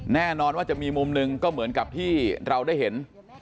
แน่นอนว่าจะมีมุมหนึ่งก็เหมือนกับที่เราได้เห็น